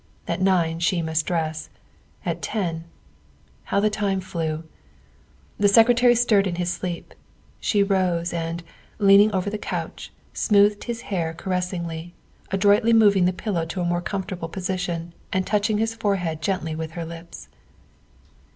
At nine she must dress. At ten how the time flew. The Secretary stirred in his sleep ; she rose and, lean ing over the couch, smoothed his hair caressingly, adroitly moving the pillow into a more comfortable position and touching his forehead gently with her lips.